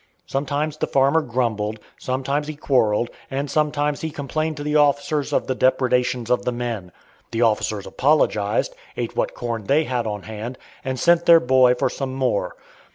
Sometimes the farmer grumbled, sometimes he quarreled, and sometimes he complained to the officers of the depredations of "the men." The officers apologized, ate what corn they had on hand, and sent their "boy" for some more.